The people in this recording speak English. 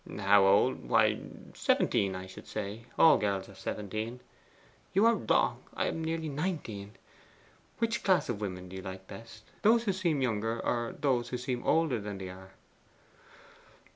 'How old? Why, seventeen, I should say. All girls are seventeen.' 'You are wrong. I am nearly nineteen. Which class of women do you like best, those who seem younger, or those who seem older than they are?